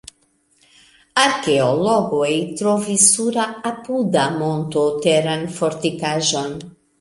Arkeologoj trovis sur apuda monto teran fortikaĵon.